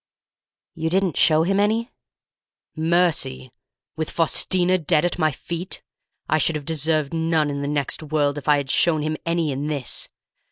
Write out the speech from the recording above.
"You didn't show him any?" "Mercy? With Faustina dead at my feet? I should have deserved none in the next world if I had shown him any in this!